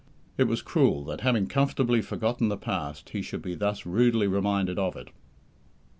It was cruel that, having comfortably forgotten the past, he should be thus rudely reminded of it.